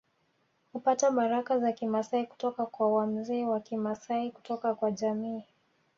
Hupata baraka za Kimasai kutoka kwa wamzee wa Kimasai kutoka kwa jamii